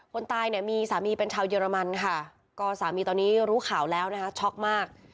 คนตายเนี่ยมีสามีเป็นชาวเยอรมันค่ะก็สามีตอนนี้รู้ข่าวแล้วนะคะช็อกมาก